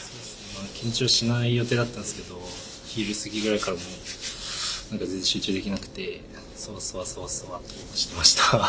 緊張しない予定だったんですけど昼すぎくらいからもう全然集中できなくて、そわそわしていました。